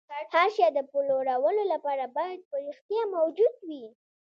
هر شی د پلورلو لپاره باید په رښتیا موجود وي